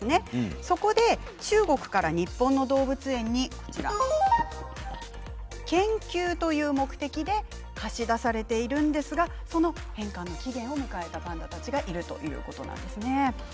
そこで中国から日本の動物園に研究という目的で貸し出されているんですがその返還の期限を迎えたパンダたちがいるということなんです。